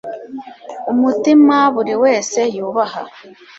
umutima buri wese yubaha